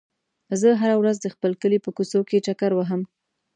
زه هره ورځ د خپل کلي په کوڅو کې چکر وهم.